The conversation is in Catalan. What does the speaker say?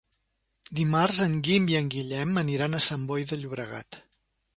Dimarts en Guim i en Guillem aniran a Sant Boi de Llobregat.